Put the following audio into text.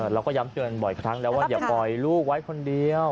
เราก็ย้ำเตือนบ่อยครั้งแล้วว่าอย่าปล่อยลูกไว้คนเดียว